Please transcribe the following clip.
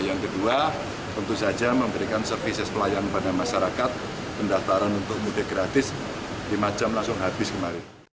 yang kedua tentu saja memberikan servis yang selayang kepada masyarakat pendaftaran untuk mudik gratis lima jam langsung habis kemarin